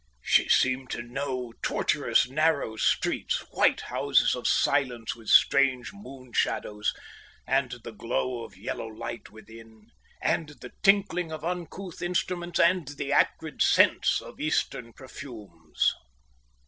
She seemed to know tortuous narrow streets, white houses of silence with strange moon shadows, and the glow of yellow light within, and the tinkling of uncouth instruments, and the acrid scents of Eastern perfumes.